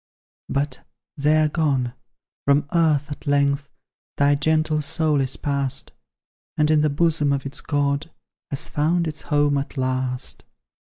But they are gone; from earth at length Thy gentle soul is pass'd, And in the bosom of its God Has found its home at last.